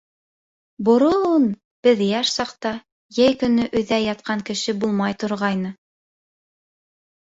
— Борон, беҙ йәш саҡта, йәй көнө өйҙә ятҡан кеше булмай торғайны.